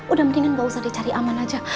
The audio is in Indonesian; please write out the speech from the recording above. udah mendingan gak usah dicari aman aja